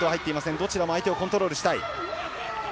どちらも相手をコントロールしたい。